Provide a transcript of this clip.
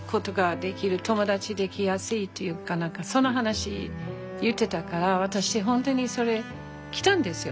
友達出来やすいというかその話を言ってたから私本当に来たんですよ。